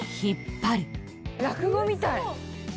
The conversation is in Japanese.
落語みたい。